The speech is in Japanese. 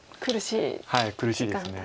はい苦しいです。